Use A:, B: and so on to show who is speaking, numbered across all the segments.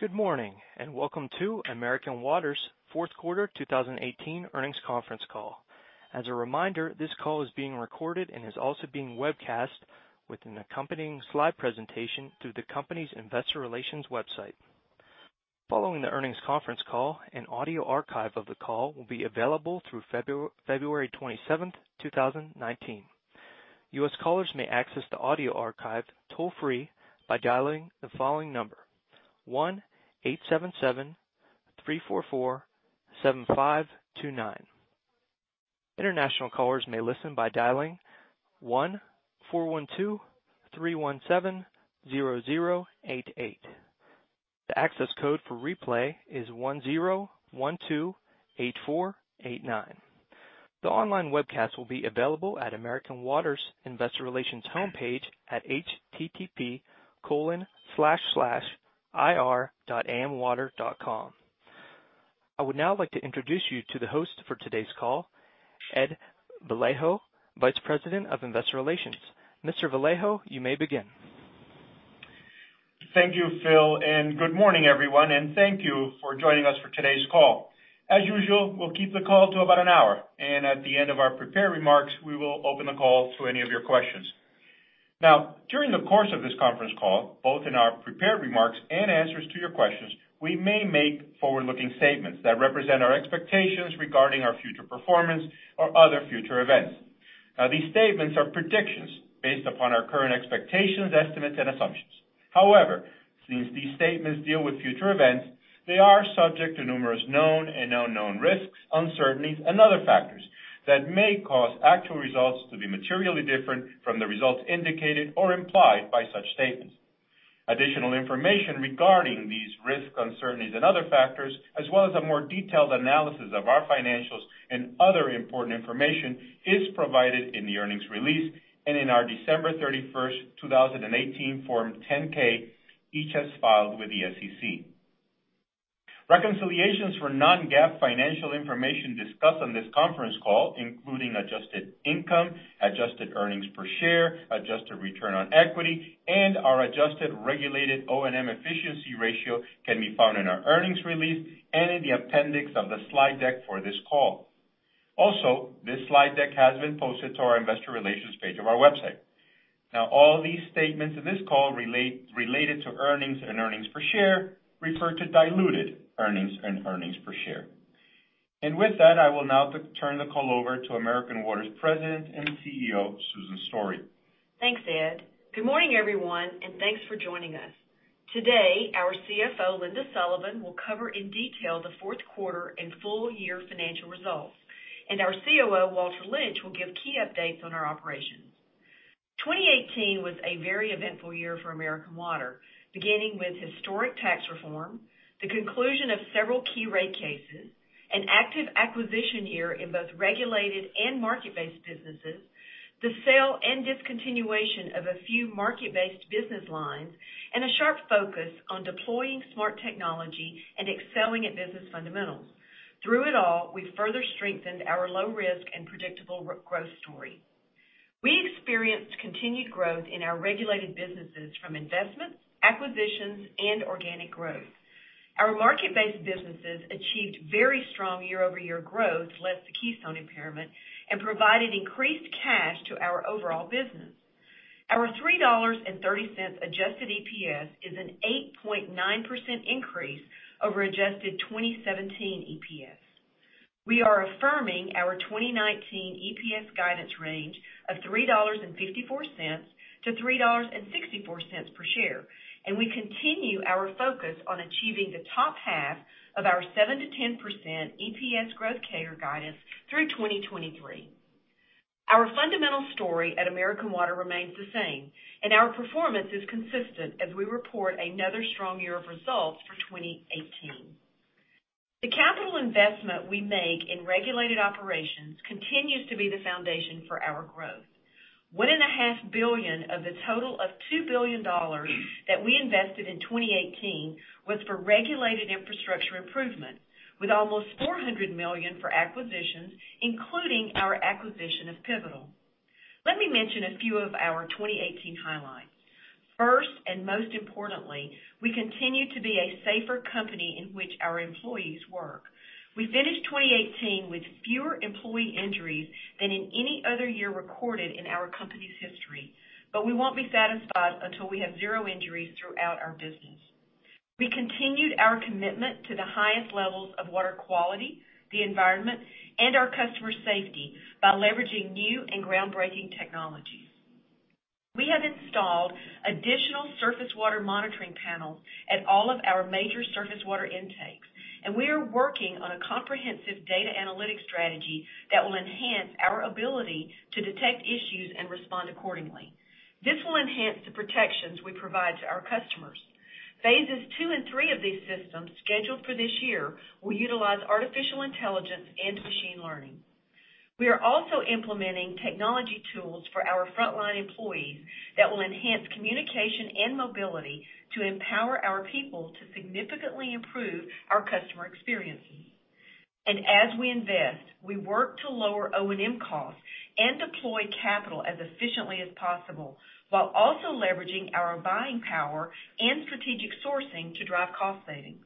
A: Good morning, and welcome to American Water's fourth quarter 2018 earnings conference call. As a reminder, this call is being recorded and is also being webcast with an accompanying slide presentation through the company's investor relations website. Following the earnings conference call, an audio archive of the call will be available through February 27th, 2019. U.S. callers may access the audio archive toll-free by dialing the following number, 1-877-344-7529. International callers may listen by dialing 1-412-317-0088. The access code for replay is 10128489. The online webcast will be available at American Water's investor relations homepage at http://ir.amwater.com. I would now like to introduce you to the host for today's call, Ed Vallejo, Vice President of Investor Relations. Mr. Vallejo, you may begin.
B: Thank you, Phil, and good morning, everyone, and thank you for joining us for today's call. As usual, we'll keep the call to about an hour, and at the end of our prepared remarks, we will open the call to any of your questions. During the course of this conference call, both in our prepared remarks and answers to your questions, we may make forward-looking statements that represent our expectations regarding our future performance or other future events. These statements are predictions based upon our current expectations, estimates, and assumptions. However, since these statements deal with future events, they are subject to numerous known and unknown risks, uncertainties, and other factors that may cause actual results to be materially different from the results indicated or implied by such statements. Additional information regarding these risks, uncertainties, and other factors, as well as a more detailed analysis of our financials and other important information, is provided in the earnings release and in our December 31st, 2018 Form 10-K, each as filed with the SEC. Reconciliations for non-GAAP financial information discussed on this conference call, including adjusted income, adjusted earnings per share, adjusted return on equity, and our adjusted regulated O&M efficiency ratio, can be found in our earnings release and in the appendix of the slide deck for this call. Also, this slide deck has been posted to our investor relations page of our website. All these statements in this call related to earnings and earnings per share refer to diluted earnings and earnings per share. And with that, I will now turn the call over to American Water's President and CEO, Susan Story.
C: Thanks, Ed. Good morning, everyone, and thanks for joining us. Today, our CFO, Linda Sullivan, will cover in detail the fourth quarter and full-year financial results, and our COO, Walter Lynch, will give key updates on our operations. 2018 was a very eventful year for American Water, beginning with historic tax reform, the conclusion of several key rate cases, an active acquisition year in both regulated and market-based businesses, the sale and discontinuation of a few market-based business lines, and a sharp focus on deploying smart technology and excelling at business fundamentals. Through it all, we further strengthened our low risk and predictable growth story. We experienced continued growth in our regulated businesses from investments, acquisitions, and organic growth. Our market-based businesses achieved very strong year-over-year growth less the Keystone impairment and provided increased cash to our overall business. Our $3.30 adjusted EPS is an 8.9% increase over adjusted 2017 EPS. We are affirming our 2019 EPS guidance range of $3.54 to $3.64 per share, we continue our focus on achieving the top half of our 7%-10% EPS growth CAGR guidance through 2023. Our fundamental story at American Water remains the same, our performance is consistent as we report another strong year of results for 2018. The capital investment we make in regulated operations continues to be the foundation for our growth. $1.5 billion of the total of $2 billion that we invested in 2018 was for regulated infrastructure improvement, with almost $400 million for acquisitions, including our acquisition of Pivotal. Let me mention a few of our 2018 highlights. First, most importantly, we continue to be a safer company in which our employees work. We finished 2018 with fewer employee injuries than in any other year recorded in our company's history, we won't be satisfied until we have zero injuries throughout our business. We continued our commitment to the highest levels of water quality, the environment, and our customer safety by leveraging new and groundbreaking technologies. We have installed additional surface water monitoring panels at all of our major surface water intakes, we are working on a comprehensive data analytics strategy that will enhance our ability to detect issues and respond accordingly. This will enhance the protections we provide to our customers. Phases 2 and 3 of these systems, scheduled for this year, will utilize artificial intelligence and machine learning. We are also implementing technology tools for our frontline employees that will enhance communication and mobility to empower our people to significantly improve our customer experiences. As we invest, we work to lower O&M costs and deploy capital as efficiently as possible, while also leveraging our buying power and strategic sourcing to drive cost savings.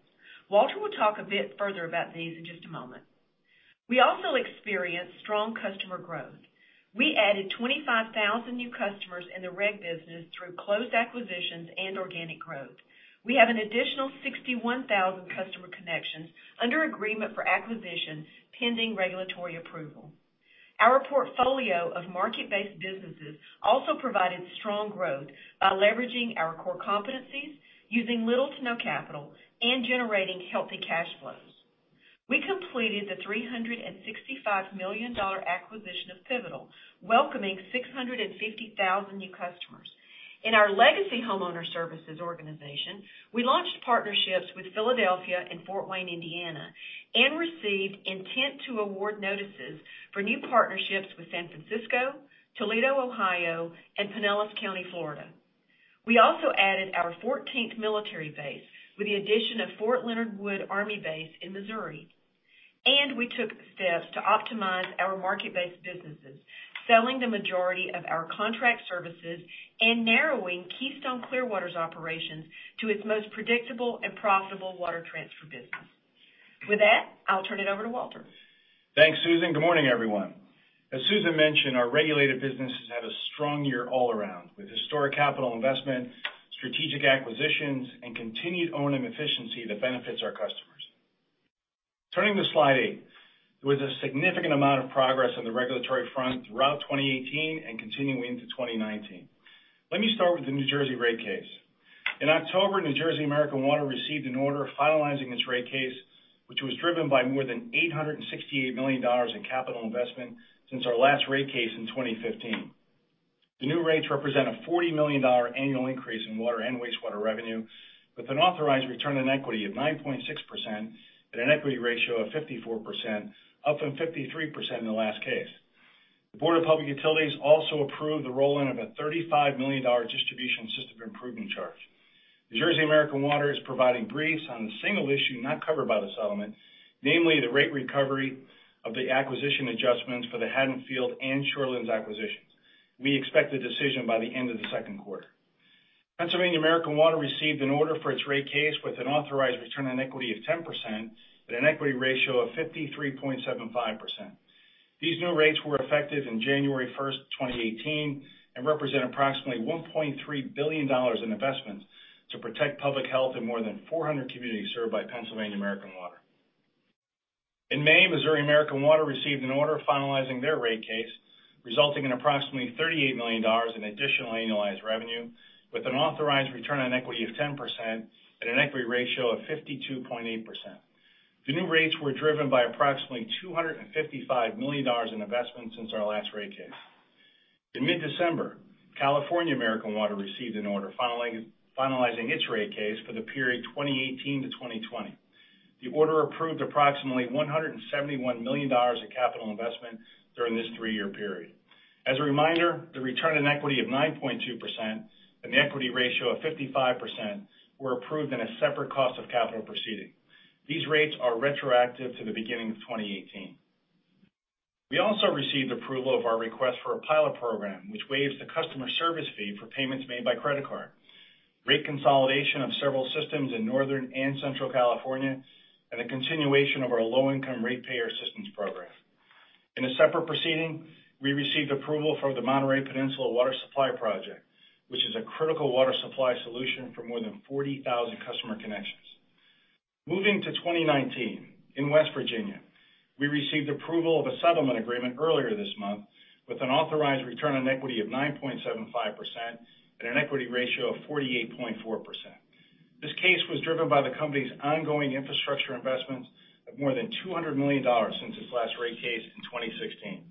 C: Walter will talk a bit further about these in just a moment. We also experienced strong customer growth. We added 25,000 new customers in the reg business through closed acquisitions and organic growth. We have an additional 61,000 customer connections under agreement for acquisition, pending regulatory approval. Our portfolio of market-based businesses also provided strong growth by leveraging our core competencies, using little to no capital, and generating healthy cash flows. We completed the $365 million acquisition of Pivotal, welcoming 650,000 new customers. In our legacy Homeowner Services organization, we launched partnerships with Philadelphia and Fort Wayne, Indiana, received intent to award notices for new partnerships with San Francisco, Toledo, Ohio, and Pinellas County, Florida. We also added our 14th military base with the addition of Fort Leonard Wood Army Base in Missouri. We took steps to optimize our market-based businesses, selling the majority of our contract services and narrowing Keystone Clearwater's operations to its most predictable and profitable water transfer business. With that, I'll turn it over to Walter.
D: Thanks, Susan. Good morning, everyone. As Susan mentioned, our regulated business has had a strong year all around, with historic capital investment, strategic acquisitions, and continued O&M efficiency that benefits our customers. Turning to slide eight, there was a significant amount of progress on the regulatory front throughout 2018 and continuing into 2019. Let me start with the New Jersey rate case. In October, New Jersey American Water received an order finalizing its rate case, which was driven by more than $868 million in capital investment since our last rate case in 2015. The new rates represent a $40 million annual increase in water and wastewater revenue with an authorized return on equity of 9.6% at an equity ratio of 54%, up from 53% in the last case. The Board of Public Utilities also approved the roll-in of a $35 million distribution system improvement charge. New Jersey American Water is providing briefs on the single issue not covered by the settlement, namely the rate recovery of the acquisition adjustments for the Haddonfield and Shorelands acquisitions. We expect a decision by the end of the second quarter. Pennsylvania American Water received an order for its rate case with an authorized return on equity of 10% at an equity ratio of 53.75%. These new rates were effective in January 1st, 2018, and represent approximately $1.3 billion in investments to protect public health in more than 400 communities served by Pennsylvania American Water. In May, Missouri American Water received an order finalizing their rate case, resulting in approximately $38 million in additional annualized revenue with an authorized return on equity of 10% at an equity ratio of 52.8%. The new rates were driven by approximately $255 million in investments since our last rate case. In mid-December, California American Water received an order finalizing its rate case for the period 2018 to 2020. The order approved approximately $171 million in capital investment during this three-year period. As a reminder, the return on equity of 9.2% and the equity ratio of 55% were approved in a separate cost of capital proceeding. These rates are retroactive to the beginning of 2018. We also received approval of our request for a pilot program, which waives the customer service fee for payments made by credit card, rate consolidation of several systems in Northern and Central California, and the continuation of our low-income ratepayer assistance program. In a separate proceeding, we received approval for the Monterey Peninsula Water Supply Project, which is a critical water supply solution for more than 40,000 customer connections. Moving to 2019, in West Virginia, we received approval of a settlement agreement earlier this month with an authorized return on equity of 9.75% and an equity ratio of 48.4%. This case was driven by the company's ongoing infrastructure investments of more than $200 million since its last rate case in 2016.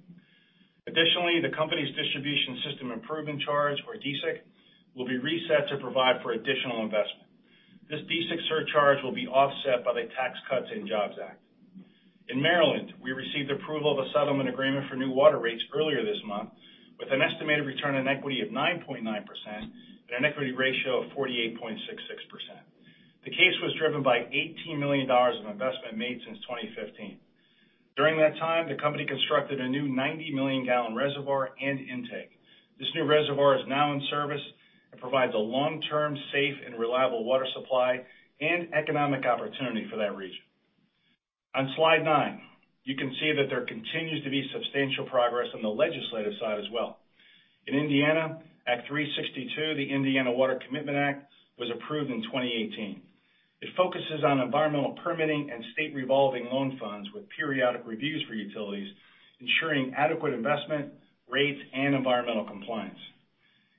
D: Additionally, the company's distribution system improvement charge, or DSIC, will be reset to provide for additional investment. This DSIC surcharge will be offset by the Tax Cuts and Jobs Act. In Maryland, we received approval of a settlement agreement for new water rates earlier this month with an estimated return on equity of 9.9% and an equity ratio of 48.66%. The case was driven by $18 million of investment made since 2015. During that time, the company constructed a new 90-million gallon reservoir and intake. This new reservoir is now in service and provides a long-term, safe, and reliable water supply and economic opportunity for that region. On slide nine, you can see that there continues to be substantial progress on the legislative side as well. In Indiana, Act 362, the Indiana Water Commitment Act, was approved in 2018. It focuses on environmental permitting and state revolving loan funds with periodic reviews for utilities, ensuring adequate investment, rates, and environmental compliance.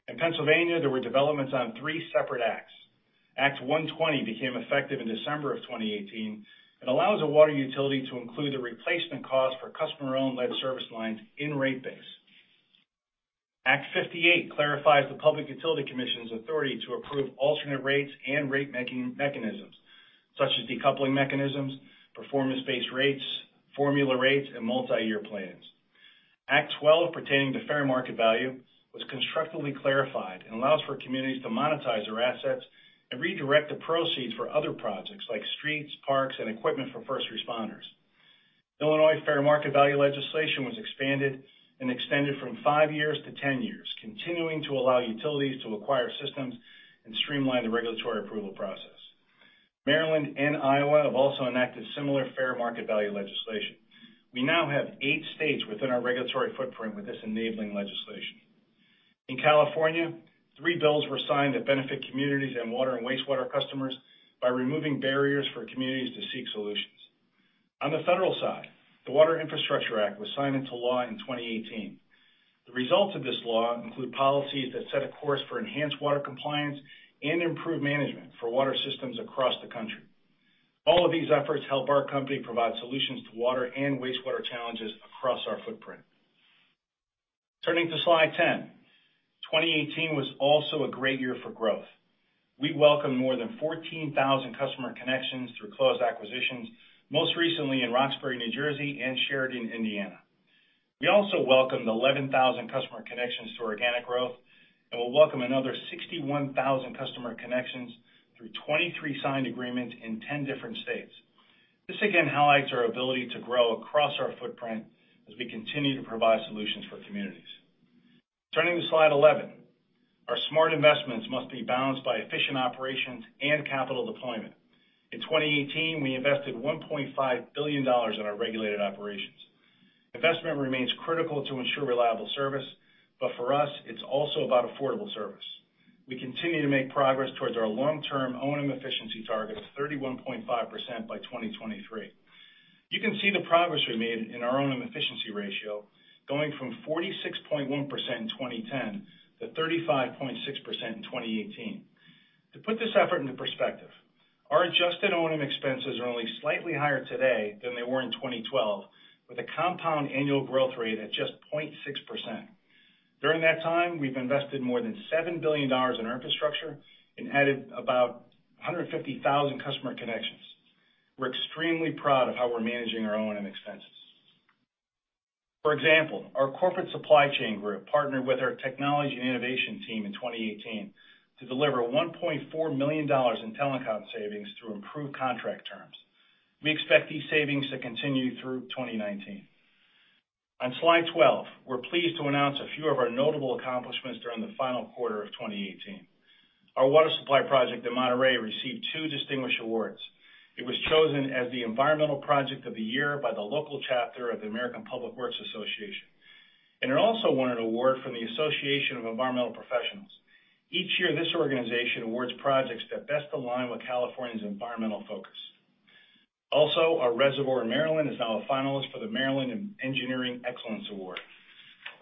D: In Pennsylvania, there were developments on three separate acts. Act 120 became effective in December of 2018 and allows a water utility to include the replacement cost for customer-owned lead service lines in rate base. Act 58 clarifies the Public Utility Commission's authority to approve alternate rates and rate mechanisms such as decoupling mechanisms, performance-based rates, formula rates, and multi-year plans. Act 12 pertaining to fair market value was constructively clarified and allows for communities to monetize their assets and redirect the proceeds for other projects like streets, parks, and equipment for first responders. Illinois fair market value legislation was expanded and extended from 5 years to 10 years, continuing to allow utilities to acquire systems and streamline the regulatory approval process. Maryland and Iowa have also enacted similar fair market value legislation. We now have eight states within our regulatory footprint with this enabling legislation. In California, three bills were signed that benefit communities and water and wastewater customers by removing barriers for communities to seek solutions. On the federal side, the Water Infrastructure Act was signed into law in 2018. The results of this law include policies that set a course for enhanced water compliance and improved management for water systems across the country. All of these efforts help our company provide solutions to water and wastewater challenges across our footprint. Turning to slide 10. 2018 was also a great year for growth. We welcomed more than 14,000 customer connections through closed acquisitions, most recently in Roxbury, New Jersey, and Sheridan, Indiana. We also welcomed 11,000 customer connections through organic growth and will welcome another 61,000 customer connections through 23 signed agreements in 10 different states. This again highlights our ability to grow across our footprint as we continue to provide solutions for communities. Turning to slide 11. Our smart investments must be balanced by efficient operations and capital deployment. In 2018, we invested $1.5 billion in our regulated operations. Investment remains critical to ensure reliable service, but for us, it's also about affordable service. We continue to make progress towards our long-term O&M efficiency target of 31.5% by 2023. You can see the progress we made in our O&M efficiency ratio, going from 46.1% in 2010 to 35.6% in 2018. To put this effort into perspective, our adjusted O&M expenses are only slightly higher today than they were in 2012, with a compound annual growth rate at just 0.6%. During that time, we've invested more than $7 billion in our infrastructure and added about 150,000 customer connections. We're extremely proud of how we're managing our O&M expenses. For example, our corporate supply chain group partnered with our technology and innovation team in 2018 to deliver $1.4 million in telecom savings through improved contract terms. We expect these savings to continue through 2019. On slide 12, we're pleased to announce a few of our notable accomplishments during the final quarter of 2018. Our water supply project in Monterey received two distinguished awards. It was chosen as the environmental project of the year by the local chapter of the American Public Works Association, and it also won an award from the Association of Environmental Professionals. Each year, this organization awards projects that best align with California's environmental focus. Finally, our reservoir in Maryland is now a finalist for the Maryland Engineering Excellence Award.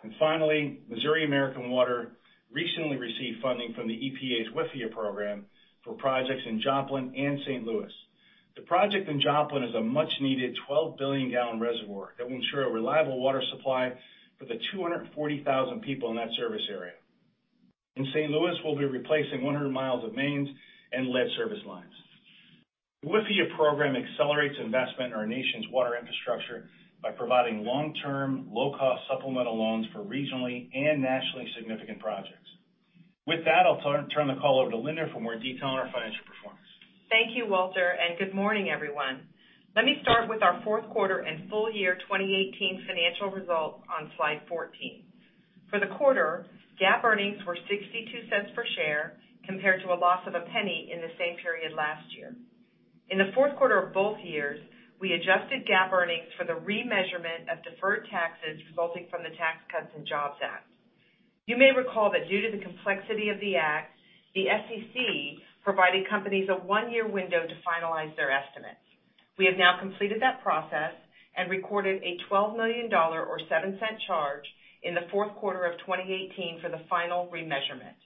D: Missouri American Water recently received funding from the EPA's WIFIA program for projects in Joplin and St. Louis. The project in Joplin is a much-needed 12-billion-gallon reservoir that will ensure a reliable water supply for the 240,000 people in that service area. In St. Louis, we'll be replacing 100 miles of mains and lead service lines. The WIFIA program accelerates investment in our nation's water infrastructure by providing long-term, low-cost supplemental loans for regionally and nationally significant projects. With that, I'll turn the call over to Linda for more detail on our financial performance.
E: Thank you, Walter, and good morning, everyone. Let me start with our fourth quarter and full year 2018 financial results on slide 14. For the quarter, GAAP earnings were $0.62 per share compared to a loss of $0.01 in the same period last year. In the fourth quarter of both years, we adjusted GAAP earnings for the remeasurement of deferred taxes resulting from the Tax Cuts and Jobs Act. You may recall that due to the complexity of the act, the SEC provided companies a one-year window to finalize their estimates. We have now completed that process and recorded a $12 million, or $0.07 charge in the fourth quarter of 2018 for the final remeasurement.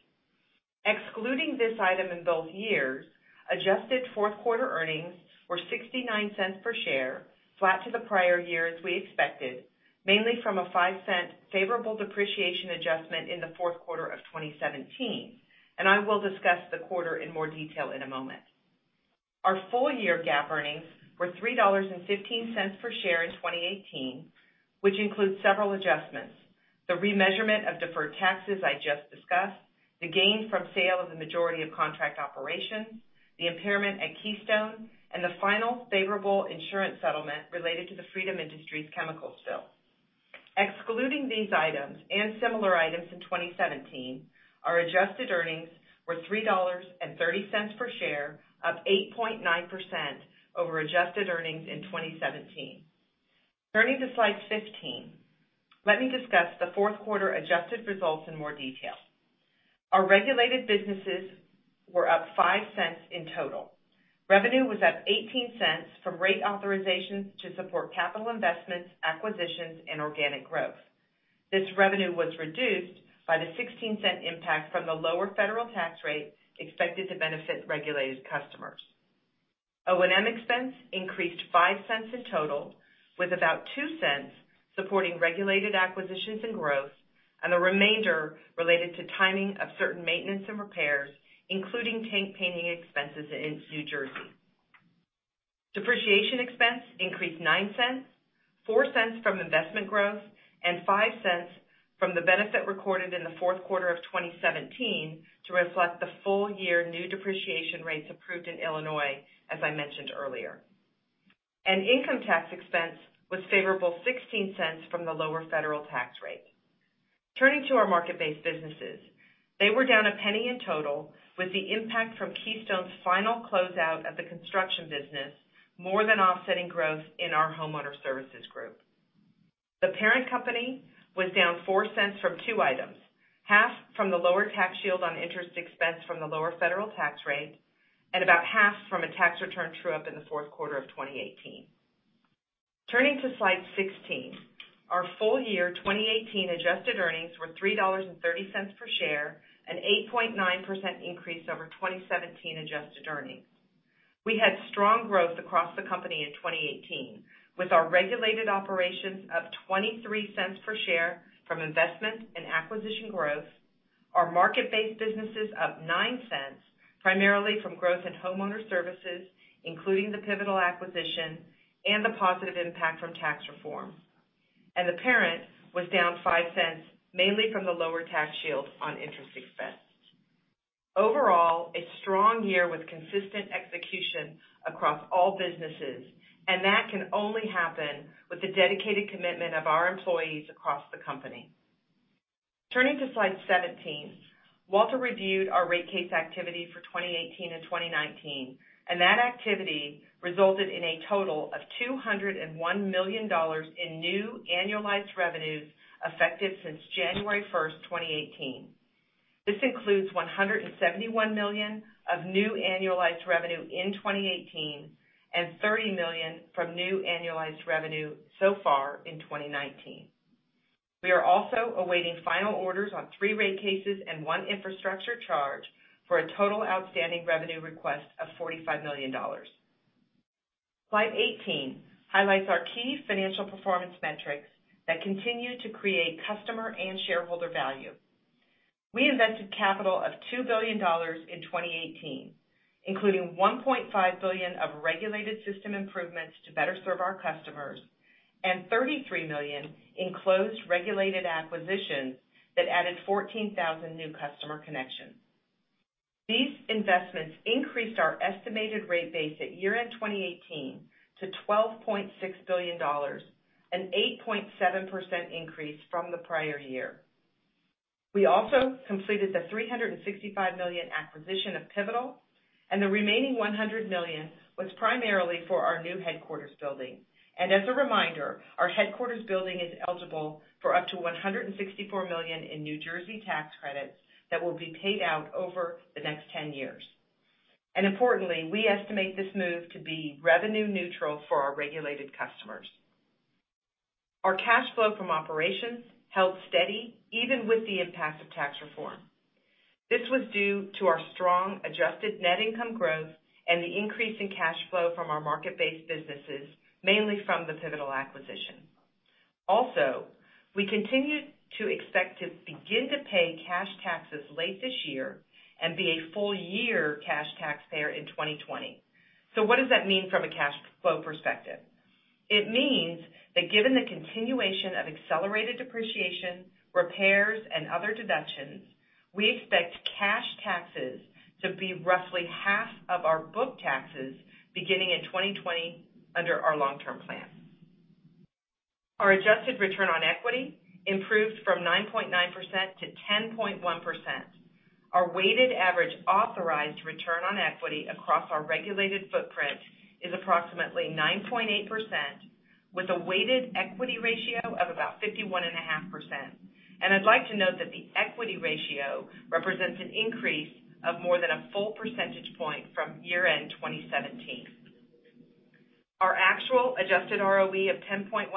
E: Excluding this item in both years, adjusted fourth-quarter earnings were $0.69 per share, flat to the prior year as we expected, mainly from a $0.05 favorable depreciation adjustment in the fourth quarter of 2017. I will discuss the quarter in more detail in a moment. Our full-year GAAP earnings were $3.15 per share in 2018, which includes several adjustments. The remeasurement of deferred taxes I just discussed, the gain from sale of the majority of contract operations, the impairment at Keystone, and the final favorable insurance settlement related to the Freedom Industries chemical spill. Excluding these items and similar items from 2017, our adjusted earnings were $3.30 per share, up 8.9% over adjusted earnings in 2017. Turning to slide 15, let me discuss the fourth quarter adjusted results in more detail. Our regulated businesses were up $0.05 in total. Revenue was up $0.18 from rate authorizations to support capital investments, acquisitions, and organic growth. This revenue was reduced by the $0.16 impact from the lower federal tax rate expected to benefit regulated customers. O&M expense increased $0.05 in total, with about $0.02 supporting regulated acquisitions and growth, and the remainder related to timing of certain maintenance and repairs, including tank painting expenses in New Jersey. Depreciation expense increased $0.09, $0.04 from investment growth and $0.05 from the benefit recorded in the fourth quarter of 2017 to reflect the full year new depreciation rates approved in Illinois, as I mentioned earlier. Income tax expense was favorable $0.16 from the lower federal tax rate. Turning to our market-based businesses, they were down $0.01 in total with the impact from Keystone's final closeout of the construction business, more than offsetting growth in our Homeowner Services group. The parent company was down $0.04 from two items, half from the lower tax shield on interest expense from the lower federal tax rate, and about half from a tax return true-up in the fourth quarter of 2018. Turning to slide 16. Our full year 2018 adjusted earnings were $3.30 per share, an 8.9% increase over 2017 adjusted earnings. We had strong growth across the company in 2018, with our regulated operations up $0.23 per share from investment and acquisition growth, our market-based businesses up $0.09, primarily from growth in Homeowner Services, including the Pivotal acquisition, and the positive impact from tax reform. The parent was down $0.05, mainly from the lower tax shield on interest expense. Overall, a strong year with consistent execution across all businesses, and that can only happen with the dedicated commitment of our employees across the company. Turning to slide 17. Walter reviewed our rate case activity for 2018 and 2019. That activity resulted in a total of $201 million in new annualized revenues effective since January 1st, 2018. This includes $171 million of new annualized revenue in 2018 and $30 million from new annualized revenue so far in 2019. We are also awaiting final orders on three rate cases and one infrastructure charge for a total outstanding revenue request of $45 million. Slide 18 highlights our key financial performance metrics that continue to create customer and shareholder value. We invested capital of $2 billion in 2018, including $1.5 billion of regulated system improvements to better serve our customers, and $33 million in closed regulated acquisitions that added 14,000 new customer connections. These investments increased our estimated rate base at year-end 2018 to $12.6 billion, an 8.7% increase from the prior year. We also completed the $365 million acquisition of Pivotal, the remaining $100 million was primarily for our new headquarters building. As a reminder, our headquarters building is eligible for up to $164 million in New Jersey tax credits that will be paid out over the next 10 years. Importantly, we estimate this move to be revenue neutral for our regulated customers. Our cash flow from operations held steady even with the impact of tax reform. This was due to our strong adjusted net income growth and the increase in cash flow from our market-based businesses, mainly from the Pivotal acquisition. We continue to expect to begin to pay cash taxes late this year and be a full-year cash taxpayer in 2020. What does that mean from a cash flow perspective? It means that given the continuation of accelerated depreciation, repairs, and other deductions, we expect cash taxes to be roughly half of our book taxes beginning in 2020 under our long-term plan. Our adjusted return on equity improved from 9.9% to 10.1%. Our weighted average authorized return on equity across our regulated footprint is approximately 9.8%, with a weighted equity ratio of about 51.5%. I'd like to note that the equity ratio represents an increase of more than a full percentage point from year-end 2017. Our actual adjusted ROE of 10.1%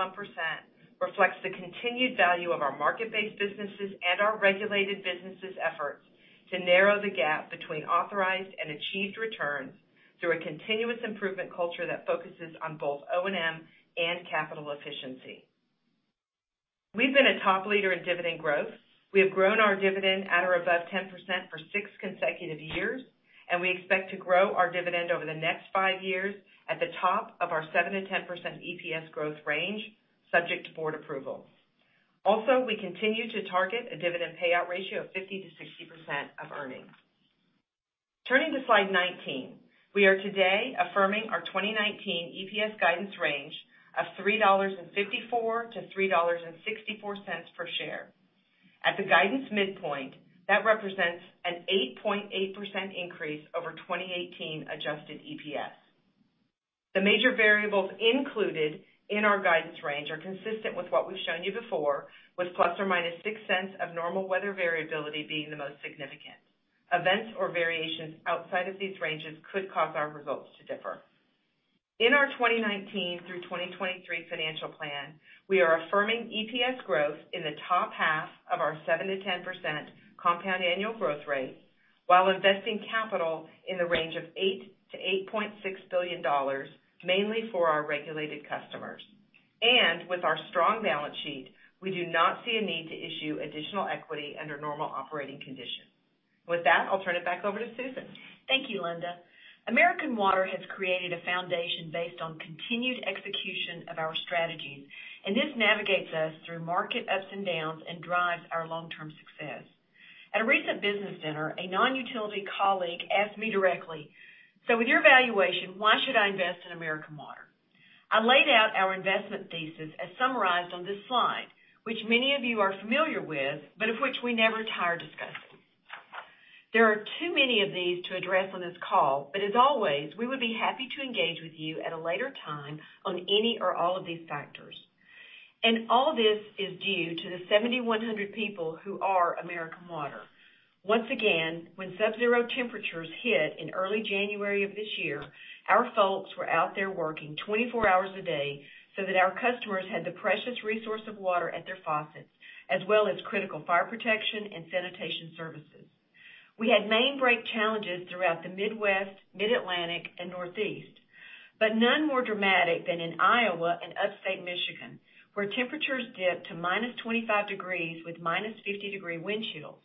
E: reflects the continued value of our market-based businesses and our regulated businesses' efforts to narrow the gap between authorized and achieved returns through a continuous improvement culture that focuses on both O&M and capital efficiency. We've been a top leader in dividend growth. We have grown our dividend at or above 10% for six consecutive years, and we expect to grow our dividend over the next five years at the top of our 7%-10% EPS growth range, subject to board approval. We continue to target a dividend payout ratio of 50%-60% of earnings. Turning to slide 19. We are today affirming our 2019 EPS guidance range of $3.54-$3.64 per share. At the guidance midpoint, that represents an 8.8% increase over 2018 adjusted EPS. The major variables included in our guidance range are consistent with what we've shown you before, with plus or minus $0.06 of normal weather variability being the most significant. Events or variations outside of these ranges could cause our results to differ. In our 2019 through 2023 financial plan, we are affirming EPS growth in the top half of our 7%-10% compound annual growth rate while investing capital in the range of $8 billion-$8.6 billion, mainly for our regulated customers. With our strong balance sheet, we do not see a need to issue additional equity under normal operating conditions. With that, I'll turn it back over to Susan.
C: Thank you, Linda. American Water has created a foundation based on continued execution of our strategies, and this navigates us through market ups and downs and drives our long-term success. At a recent business dinner, a non-utility colleague asked me directly, "With your valuation, why should I invest in American Water?" I laid out our investment thesis as summarized on this slide, which many of you are familiar with, but of which we never tire discussing. There are too many of these to address on this call. As always, we would be happy to engage with you at a later time on any or all of these factors. All this is due to the 7,100 people who are American Water. Once again, when subzero temperatures hit in early January of this year, our folks were out there working 24 hours a day so that our customers had the precious resource of water at their faucets, as well as critical fire protection and sanitation services. We had main break challenges throughout the Midwest, Mid-Atlantic, and Northeast, but none more dramatic than in Iowa and upstate Michigan, where temperatures dipped to -25 degrees with -50 degree wind chills.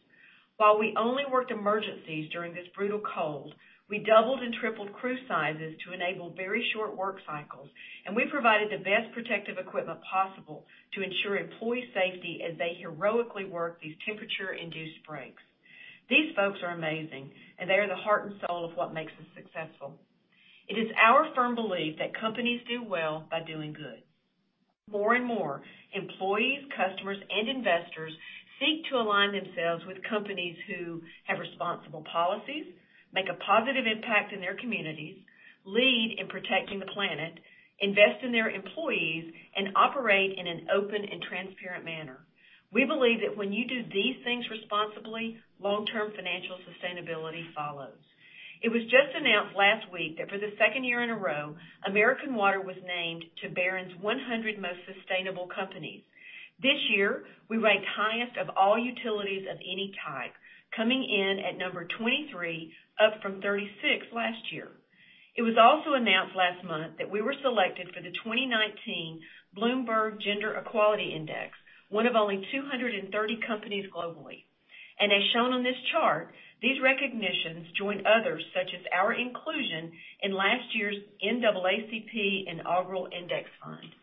C: While we only worked emergencies during this brutal cold, we doubled and tripled crew sizes to enable very short work cycles, and we provided the best protective equipment possible to ensure employee safety as they heroically worked these temperature-induced breaks. These folks are amazing, and they are the heart and soul of what makes us successful. It is our firm belief that companies do well by doing good. More and more employees, customers, and investors seek to align themselves with companies who have responsible policies, make a positive impact in their communities, lead in protecting the planet, invest in their employees, and operate in an open and transparent manner. We believe that when you do these things responsibly, long-term financial sustainability follows. It was just announced last week that for the second year in a row, American Water was named to Barron's 100 Most Sustainable Companies. This year, we ranked highest of all utilities of any type, coming in at number 23, up from 36 last year. It was also announced last month that we were selected for the 2019 Bloomberg Gender Equality Index, one of only 230 companies globally. And as shown on this chart, these recognitions join others, such as our inclusion in last year's NAACP Inaugural Index Fund.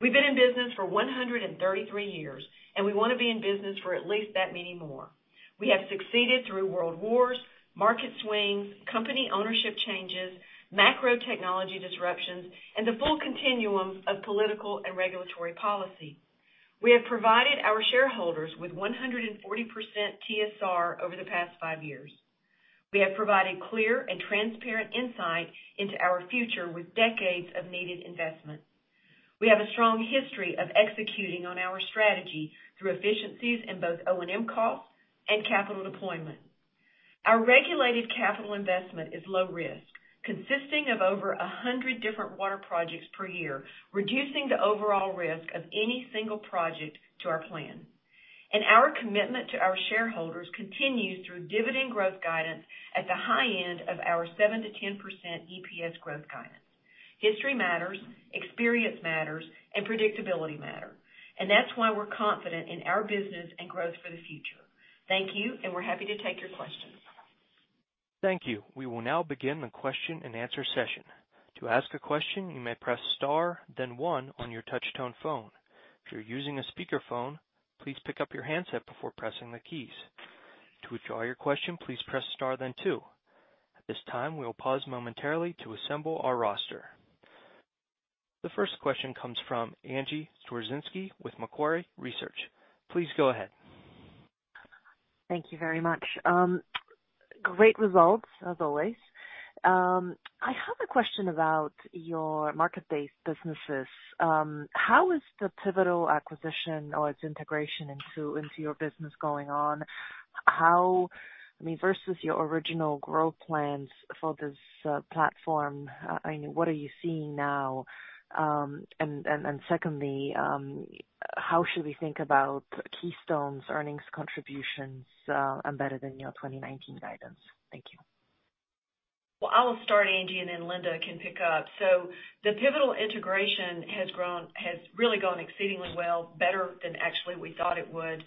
C: We've been in business for 133 years, and we want to be in business for at least that many more. We have succeeded through world wars, market swings, company ownership changes, macro technology disruptions, and the full continuum of political and regulatory policy. We have provided our shareholders with 140% TSR over the past five years. We have provided clear and transparent insight into our future with decades of needed investment. We have a strong history of executing on our strategy through efficiencies in both O&M costs and capital deployment. Our regulated capital investment is low risk, consisting of over 100 different water projects per year, reducing the overall risk of any single project to our plan. And our commitment to our shareholders continues through dividend growth guidance at the high end of our 7%-10% EPS growth guidance. History matters, experience matters, and predictability matter, and that's why we're confident in our business and growth for the future. Thank you, and we're happy to take your questions.
A: Thank you. We will now begin the question and answer session. To ask a question, you may press star then one on your touch-tone phone. If you're using a speakerphone, please pick up your handset before pressing the keys. To withdraw your question, please press star then two. At this time, we will pause momentarily to assemble our roster. The first question comes from Angie Storozynski with Macquarie Research. Please go ahead.
F: Thank you very much. Great results as always. I have a question about your market-based businesses. How is the Pivotal acquisition or its integration into your business going on? Versus your original growth plans for this platform, what are you seeing now? Secondly, how should we think about Keystone's earnings contributions embedded in your 2019 guidance? Thank you.
C: Well, I will start, Angie, and then Linda can pick up. The Pivotal integration has really gone exceedingly well, better than actually we thought it would.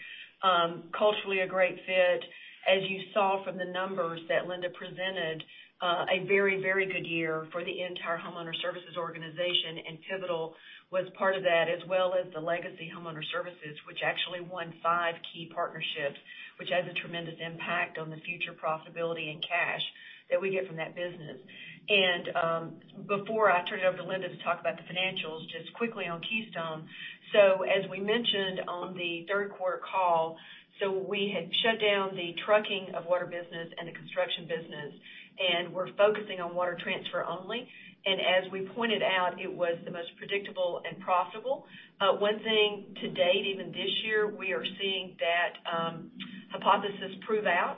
C: Culturally, a great fit. As you saw from the numbers that Linda presented, a very good year for the entire Homeowner Services organization, and Pivotal was part of that, as well as the legacy Homeowner Services, which actually won five key partnerships, which has a tremendous impact on the future profitability and cash that we get from that business. Before I turn it over to Linda to talk about the financials, just quickly on Keystone. As we mentioned on the third quarter call, so we had shut down the trucking of water business and the construction business, and we're focusing on water transfer only. As we pointed out, it was the most predictable and profitable. One thing to date, even this year, we are seeing that hypothesis prove out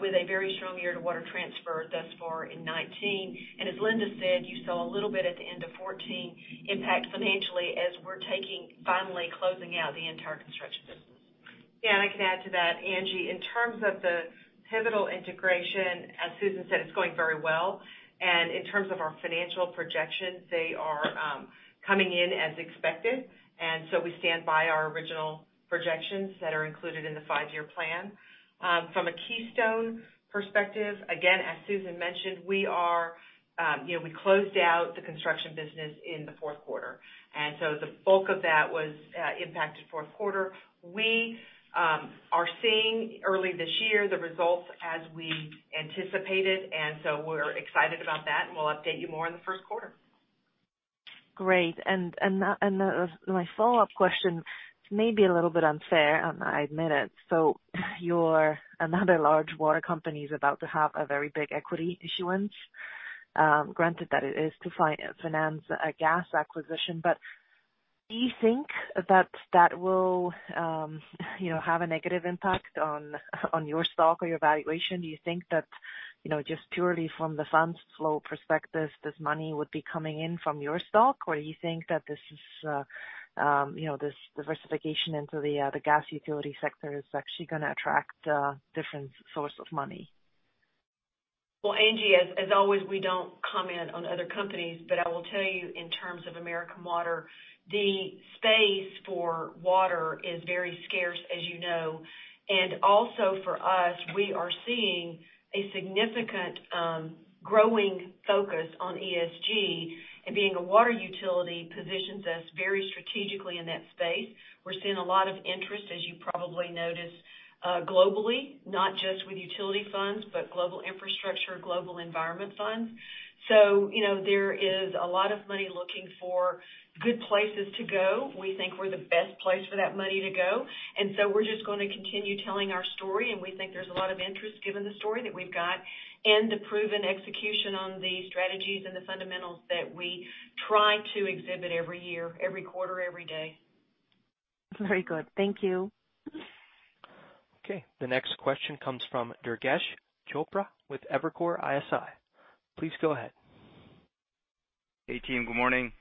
C: with a very strong year to water transfer thus far in 2019. As Linda said, you saw a little bit at the end of 2014 impact financially as we're finally closing out the entire construction business. I can add to that, Angie. In terms of the Pivotal integration, as Susan said, it's going very well. In terms of our financial projections, they are coming in as expected, and so we stand by our original projections that are included in the five-year plan. From a Keystone perspective, again, as Susan mentioned, we closed out the construction business in the fourth quarter. The bulk of that was impacted fourth quarter. We are seeing early this year the results as we anticipated, and so we're excited about that, and we'll update you more in the first quarter.
F: Great. My follow-up question may be a little bit unfair, I admit it. You're another large water company that's about to have a very big equity issuance, granted that it is to finance a gas acquisition. Do you think that that will have a negative impact on your stock or your valuation? Do you think that just purely from the funds flow perspective, this money would be coming in from your stock, or you think that this diversification into the gas utility sector is actually going to attract a different source of money?
C: Well, Angie, as always, we don't comment on other companies, but I will tell you in terms of American Water, the space for water is very scarce, as you know. Also for us, we are seeing a significant growing focus on ESG, and being a water utility positions us very strategically in that space. We're seeing a lot of interest, as you probably noticed, globally, not just with utility funds, but global infrastructure, global environment funds. There is a lot of money looking for good places to go. We think we're the best place for that money to go, and so we're just going to continue telling our story, and we think there's a lot of interest given the story that we've got and the proven execution on the strategies and the fundamentals that we try to exhibit every year, every quarter, every day.
F: Very good. Thank you.
A: The next question comes from Durgesh Chopra with Evercore ISI. Please go ahead.
G: Hey, team. Good morning.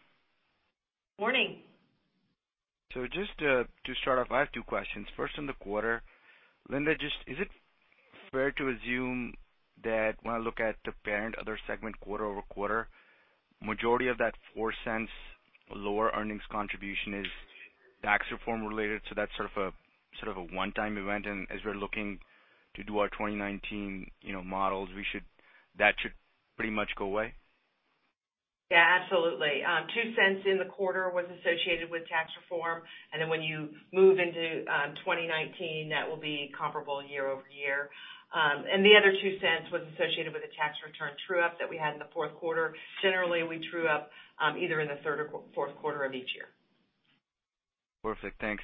C: Morning.
G: Just to start off, I have two questions. First, on the quarter, Linda, just is it fair to assume that when I look at the parent other segment quarter-over-quarter, majority of that $0.04 lower earnings contribution is tax reform related, so that's sort of a one-time event, and as we're looking to do our 2019 models, that should pretty much go away?
E: Yeah, absolutely. $0.02 in the quarter was associated with tax reform, and then when you move into 2019, that will be comparable year-over-year. The other $0.02 was associated with a tax return true-up that we had in the fourth quarter. Generally, we true up either in the third or fourth quarter of each year.
G: Perfect. Thanks.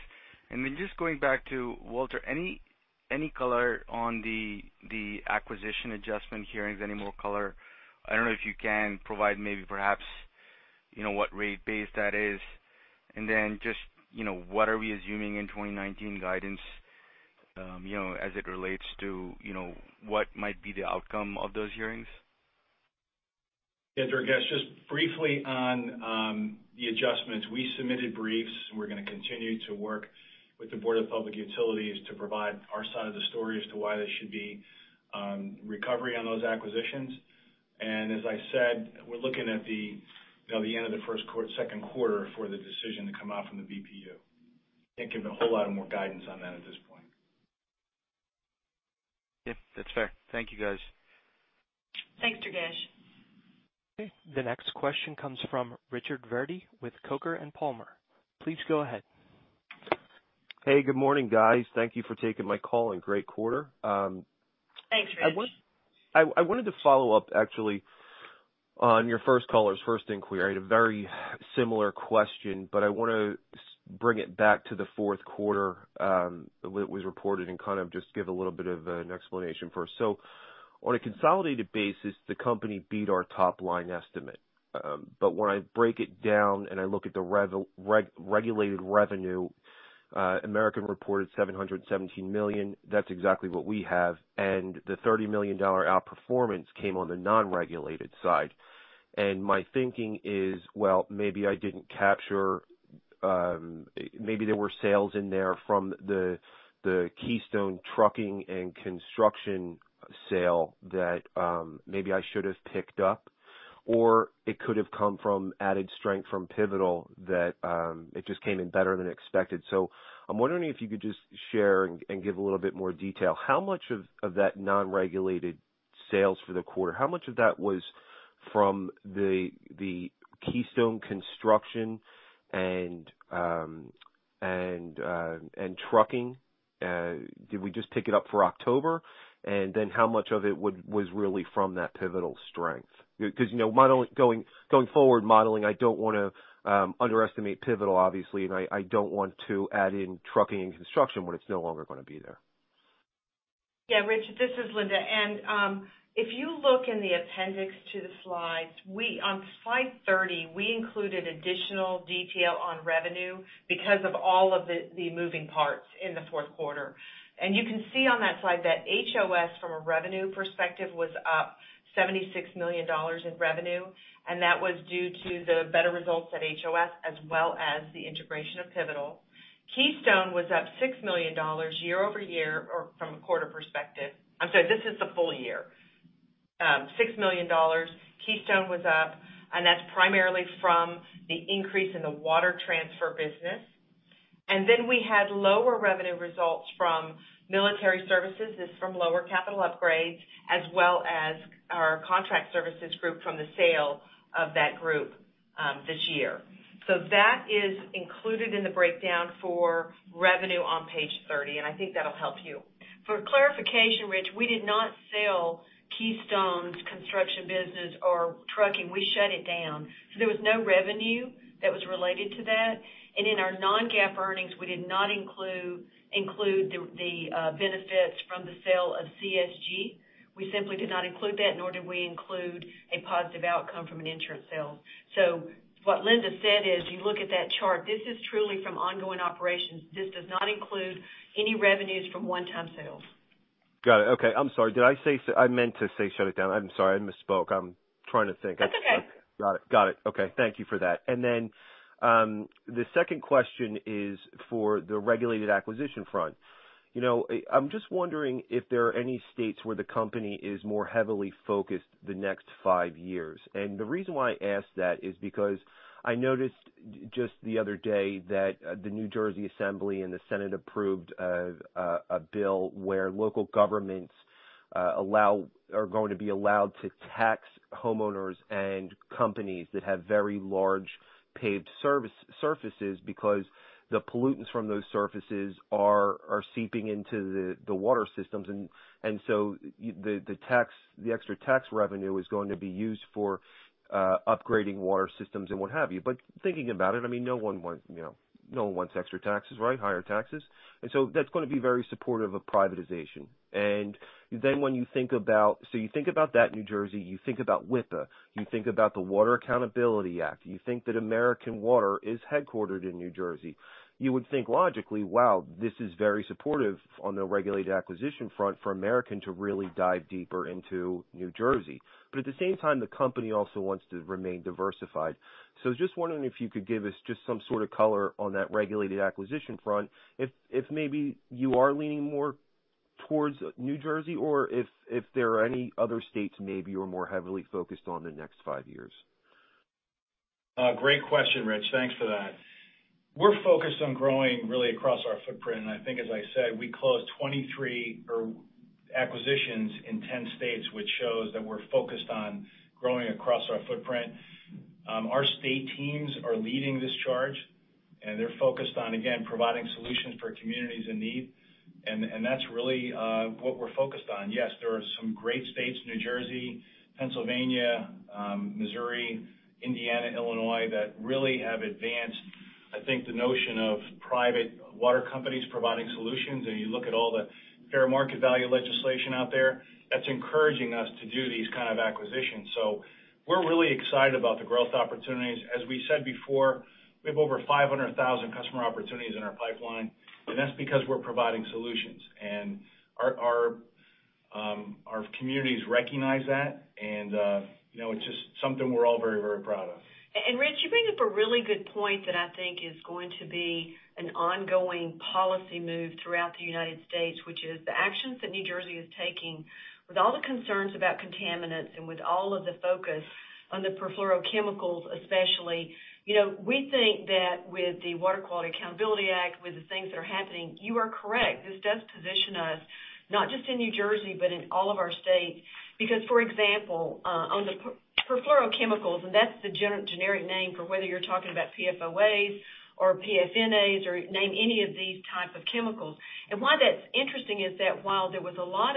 G: Just going back to Walter, any color on the acquisition adjustment hearings? Any more color? I don't know if you can provide maybe perhaps what rate base that is, and then just what are we assuming in 2019 guidance, as it relates to what might be the outcome of those hearings?
D: Yeah, Durgesh, just briefly on the adjustments. We submitted briefs, and we're going to continue to work with the Board of Public Utilities to provide our side of the story as to why there should be recovery on those acquisitions. As I said, we're looking at the end of the second quarter for the decision to come out from the BPU. Can't give a whole lot more guidance on that at this point.
G: Yeah, that's fair. Thank you, guys.
C: Thanks, Durgesh.
A: Okay, the next question comes from Richard Verdi with Coker & Palmer. Please go ahead.
H: Hey, good morning, guys. Thank you for taking my call, great quarter.
C: Thanks, Richard.
H: I wanted to follow up actually on your first caller's first inquiry. I had a very similar question, but I want to bring it back to the fourth quarter, the way it was reported, kind of just give a little bit of an explanation first. On a consolidated basis, the company beat our top-line estimate. When I break it down and I look at the regulated revenue, American reported $717 million. That's exactly what we have. The $30 million outperformance came on the non-regulated side. My thinking is, well, maybe I didn't capture maybe there were sales in there from the Keystone trucking and construction sale that maybe I should have picked up, or it could have come from added strength from Pivotal that it just came in better than expected. I'm wondering if you could just share and give a little bit more detail. How much of that non-regulated sales for the quarter, how much of that was from the Keystone construction and trucking? Did we just pick it up for October? How much of it was really from that Pivotal strength? Because going forward modeling, I don't want to underestimate Pivotal, obviously, and I don't want to add in trucking and construction when it's no longer going to be there.
E: Richard, this is Linda. If you look in the appendix to the slides, on slide 30, we included additional detail on revenue because of all of the moving parts in the fourth quarter. You can see on that slide that HOS from a revenue perspective was up $76 million in revenue, and that was due to the better results at HOS as well as the integration of Pivotal. Keystone was up $6 million year-over-year or from a quarter perspective. I'm sorry, this is the full year. $6 million Keystone was up, and that's primarily from the increase in the water transfer business. We had lower revenue results from military services. This is from lower capital upgrades as well as our contract services group from the sale of that group this year. That is included in the breakdown for revenue on page 30, and I think that'll help you.
C: For clarification, Rich, we did not sell Keystone's construction business or trucking. We shut it down. There was no revenue that was related to that. In our non-GAAP earnings, we did not include the benefits from the sale of CSG. We simply did not include that, nor did we include a positive outcome from an insurance sale. What Linda said is, you look at that chart, this is truly from ongoing operations. This does not include any revenues from one-time sales.
H: Got it. Okay. I'm sorry. I meant to say shut it down. I'm sorry. I misspoke. I'm trying to think.
C: That's okay.
H: Got it. Okay. Thank you for that. The second question is for the regulated acquisition front. I'm just wondering if there are any states where the company is more heavily focused the next 5 years. The reason why I ask that is because I noticed just the other day that the New Jersey General Assembly and the Senate approved a bill where local governments are going to be allowed to tax homeowners and companies that have very large paved surfaces because the pollutants from those surfaces are seeping into the water systems. The extra tax revenue is going to be used for upgrading water systems and what have you. Thinking about it, no one wants extra taxes, right? Higher taxes. That's going to be very supportive of privatization. You think about that New Jersey, you think about WIPA, you think about the Water Quality Accountability Act, you think that American Water is headquartered in New Jersey. You would think logically, wow, this is very supportive on the regulated acquisition front for American Water to really dive deeper into New Jersey. At the same time, the company also wants to remain diversified. Just wondering if you could give us just some sort of color on that regulated acquisition front, if maybe you are leaning more towards New Jersey or if there are any other states maybe you're more heavily focused on the next 5 years.
D: Great question, Rich. Thanks for that. We're focused on growing really across our footprint. I think as I said, we closed 23 acquisitions in 10 states, which shows that we're focused on growing across our footprint. Our state teams are leading this charge, and they're focused on, again, providing solutions for communities in need. That's really what we're focused on. Yes, there are some great states, New Jersey, Pennsylvania, Missouri, Indiana, Illinois, that really have advanced, I think, the notion of private water companies providing solutions. You look at all the fair market value legislation out there, that's encouraging us to do these kind of acquisitions. We're really excited about the growth opportunities. As we said before, we have over 500,000 customer opportunities in our pipeline, and that's because we're providing solutions. Our communities recognize that, and it's just something we're all very proud of.
C: Rich, you bring up a really good point that I think is going to be an ongoing policy move throughout the United States, which is the actions that New Jersey is taking with all the concerns about contaminants and with all of the focus on the Perfluorochemicals especially. We think that with the Water Quality Accountability Act, with the things that are happening, you are correct. This does position us not just in New Jersey, but in all of our states. For example, on the Perfluorochemicals, that's the generic name for whether you're talking about PFOA or PFNA or name any of these types of chemicals. Why that's interesting is that while there was a lot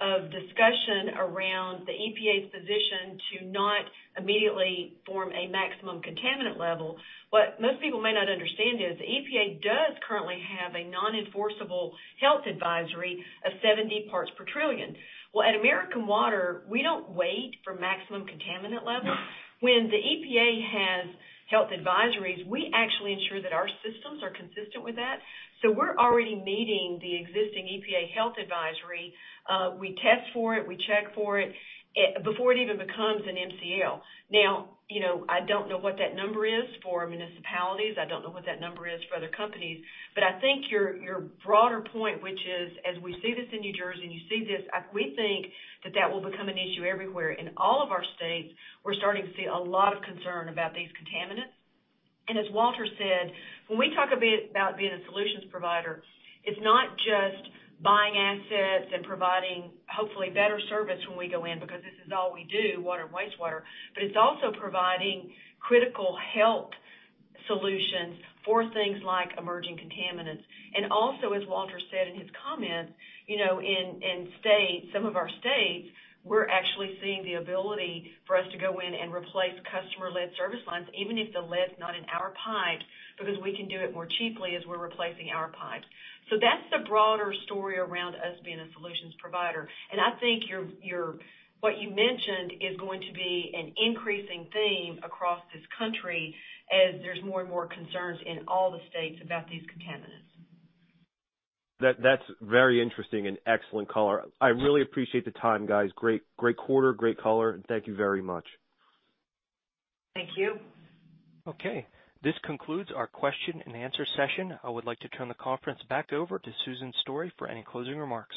C: of discussion around the EPA's position to not immediately form a maximum contaminant level, what most people may not understand is the EPA does currently have a non-enforceable health advisory of 70 parts per trillion. Well, at American Water, we don't wait for maximum contaminant levels. When the EPA has health advisories, we actually ensure that our systems are consistent with that. We're already meeting the existing EPA health advisory. We test for it, we check for it before it even becomes an MCL. Now, I don't know what that number is for municipalities. I don't know what that number is for other companies. I think your broader point, which is as we see this in New Jersey and you see this, we think that that will become an issue everywhere. In all of our states, we're starting to see a lot of concern about these contaminants. As Walter said, when we talk about being a solutions provider, it's not just buying assets and providing hopefully better service when we go in because this is all we do, water and wastewater, but it's also providing critical health solutions for things like emerging contaminants. Also, as Walter said in his comments, in some of our states, we're actually seeing the ability for us to go in and replace customer lead service lines, even if the lead's not in our pipe, because we can do it more cheaply as we're replacing our pipes. That's the broader story around us being a solutions provider. I think what you mentioned is going to be an increasing theme across this country as there's more and more concerns in all the states about these contaminants.
H: That's very interesting and excellent color. I really appreciate the time, guys. Great quarter, great color, and thank you very much.
C: Thank you.
A: Okay. This concludes our question and answer session. I would like to turn the conference back over to Susan Story for any closing remarks.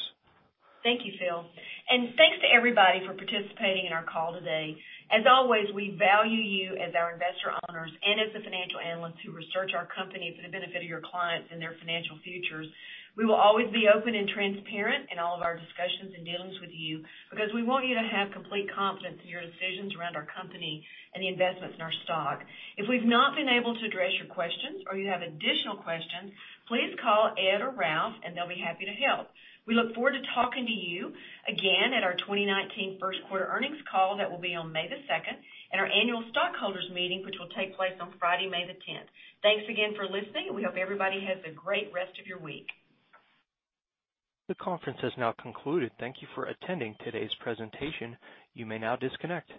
C: Thank you, Phil. Thanks to everybody for participating in our call today. As always, we value you as our investor owners and as the financial analysts who research our company for the benefit of your clients and their financial futures. We will always be open and transparent in all of our discussions and dealings with you because we want you to have complete confidence in your decisions around our company and the investments in our stock. If we've not been able to address your questions or you have additional questions, please call Ed or Ralph, and they'll be happy to help. We look forward to talking to you again at our 2019 first quarter earnings call that will be on May the 2nd and our annual stockholders meeting, which will take place on Friday, May the 10th. Thanks again for listening. We hope everybody has a great rest of your week.
A: The conference has now concluded. Thank you for attending today's presentation. You may now disconnect.